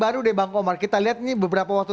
baru deh bang omar kita lihat ini beberapa waktu